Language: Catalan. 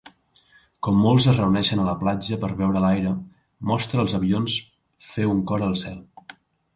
Com molts es reuneixen a la platja per veure l'aire Mostra els avions fer un cor al cel